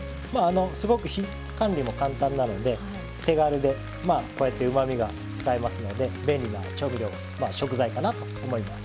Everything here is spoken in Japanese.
すごく管理も簡単なので手軽でこうやってうまみが使えますので便利な調味料食材かなと思います。